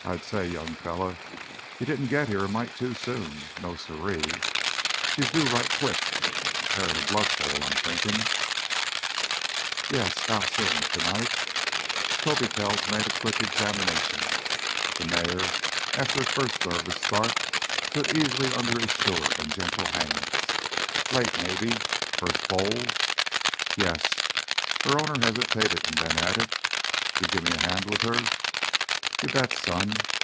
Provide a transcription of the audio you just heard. "I'd say, young fellow, you didn't git her here a mite too soon, no, siree. She's due right quick. Carryin' a blood foal, I'm thinkin'—" "Yes. How soon? Tonight?" Tobe Kells made a quick examination. The mare, after a first nervous start, stood easy under his sure and gentle hands. "Late, maybe. First foal?" "Yes." Her owner hesitated and then added, "You give me a hand with her?" "You bet, son.